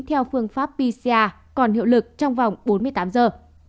theo phương pháp pcr còn hiệu lực trong vòng bốn mươi tám giờ